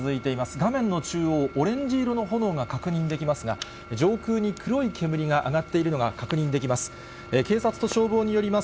画面の中央、オレンジ色の炎が確認できますが、上空に黒い煙が上がっているのが確認できます。